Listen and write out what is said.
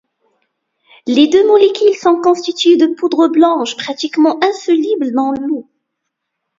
Les deux molécules sont constituées de poudre blanche pratiquement insoluble dans l'eau.